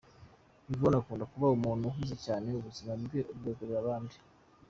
Yvonne akunda kuba umuntu uhuze cyane, ubuzima bwe abwegurira abandi.